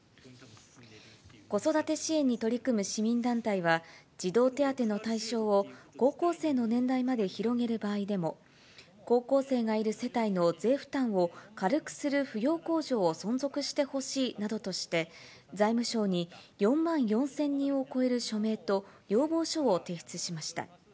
子育て支援に取り組む市民団体は、児童手当の対象を高校生の年代まで広げる場合でも、高校生がいる世帯の税負担を軽くする扶養控除を存続してほしいなどとして、財務省に４万４０００人を超える署名と、要望書を提出しました。